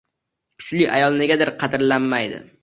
Kuchli ayol negadir qadrlanmaydi.